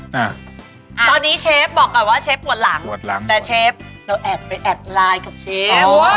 ตอนนี้เชฟบอกก่อนว่าเชฟปวดหลังแต่เชฟเราแอดไลน์กับเชฟ